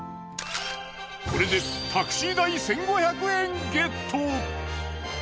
これでタクシー代１，５００円ゲット。